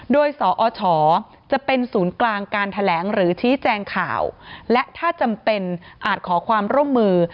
โดยสอชจะเป็นศูนย์กลางการแถลงหรือชี้แจงข่าวและถ้าจำเป็นอาจขอความร่วมมือ